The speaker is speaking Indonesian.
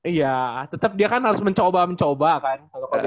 iya tetap dia kan harus mencoba mencoba kan